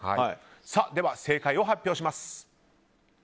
では正解を発表します。